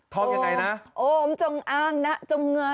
ยังไงนะโอมจงอ้างนะจงเงย